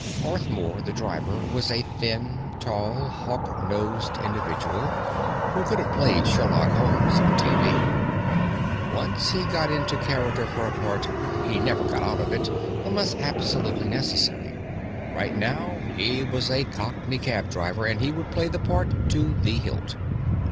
Arthmore, the driver, was a thin, tall, hawknosed individual who could have played Sherlock Holmes on TV. Once he got into character for a part, he never got out of it unless absolutely necessary. Right now, he was a Cockney cab driver, and he would play the part to the hilt.